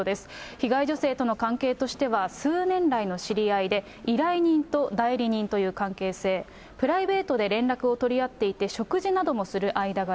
被害女性との関係としては、数年来の知り合いで、依頼人と代理人という関係性、プライベートで連絡を取り合っていて、食事などもする間柄。